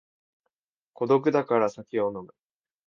孤独だから酒を飲む